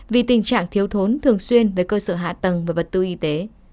vì tình trạng thiếu thốn thường xuyên với cơ sở hạ tầng và vật tư y tế